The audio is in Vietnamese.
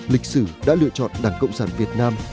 lịch sử đã lựa chọn đảng cộng sản việt nam